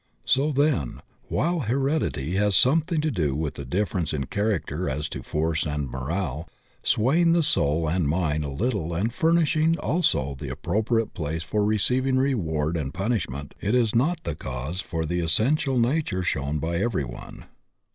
So, then, while heredity has something to do with the difference in character as to force and morale, swaying the soul and mind a little and furnishing also the appropriate place for receiving reward and DIFFERBNCES OF CHARACTER PROVfe RBBIRTH 81 punishment, it is not the cause for the essential nature shown by every one.